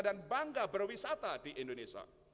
dan bangga berwisata di indonesia